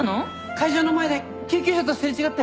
会場の前で救急車と擦れ違って。